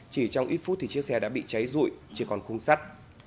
chỉ trong ít phút thì chiếc xe đã bị cháy rụi chỉ còn khung sắt